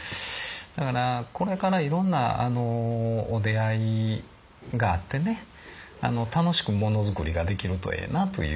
だからこれからいろんなお出会いがあってね楽しくもの作りができるとええなという。